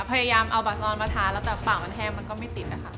พยายามเอาบาสนอนมาทานแล้วแต่ปากแฮงมันก็ไม่ติด